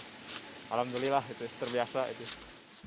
alhamdulillah itu terbiasa